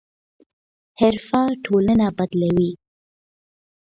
حرفه ټولنه بدلوي.